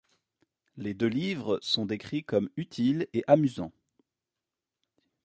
Les deux livres sont décrits comme utiles et amusants.